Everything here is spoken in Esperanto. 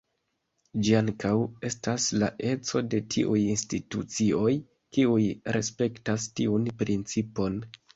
Ĝi ankaŭ estas la eco de tiuj institucioj, kiuj respektas tiun principon.